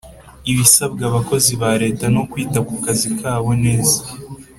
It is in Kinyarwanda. ibisabwa abakozi ba leta no kwita kukazi kabo neza